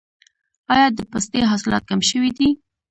آیا د پستې حاصلات کم شوي دي؟